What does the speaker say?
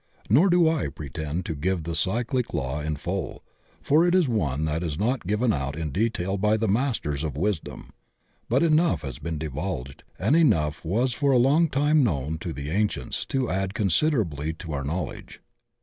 Nor do I pretend to give the cyclic law in full, for it is one that is not given out in detail by the Masters of Wisdom. But enough has been divulged, and enough was for a long time known to the Ancients to add considerably to our knowledge.